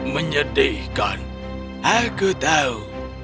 menyedihkan aku tahu